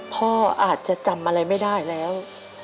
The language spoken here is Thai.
พ่ออาจจะจำอะไรไม่ได้แล้ว